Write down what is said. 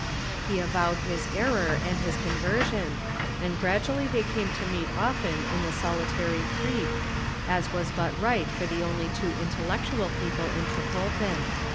He avowed his error and his conversion, and gradually they came to meet often in the solitary creek, as was but right for the only two intellectual people in Trepolpen.